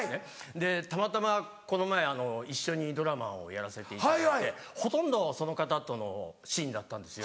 でたまたまこの前一緒にドラマをやらせていただいてほとんどその方とのシーンだったんですよ。